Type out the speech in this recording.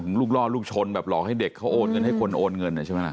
ลูกล่อลูกชนแบบหลอกให้เด็กเขาโอนเงินให้คนโอนเงินใช่ไหมล่ะ